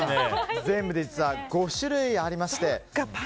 全部で５種類ありまして。